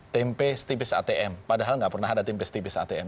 tempe setipis atm padahal nggak pernah ada tempe setipis atm